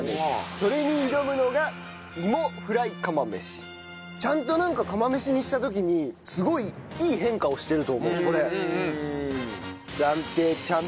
それに挑むのがちゃんとなんか釜飯にした時にすごいいい変化をしてると思うこれ。